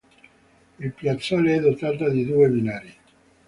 Il piazzale è dotata di due binari.